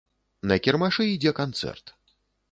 На кірмашы ідзе канцэрт.